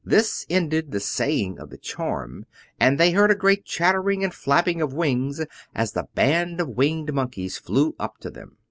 This ended the saying of the charm, and they heard a great chattering and flapping of wings, as the band of Winged Monkeys flew up to them.